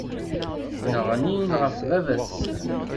Nneɣnin ɣef baba-tsen.